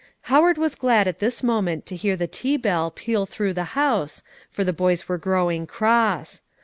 Howard was glad at this moment to hear the tea bell peal through the house, for the boys were growing cross.